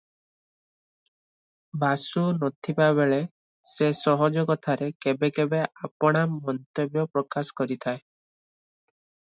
ବାସୁ ନ ଥିବାବେଳେ ସେ ସହଜ କଥାରେ କେବେ କେବେ ଆପଣା ମନ୍ତବ୍ୟ ପ୍ରକାଶ କରିଥାଏ ।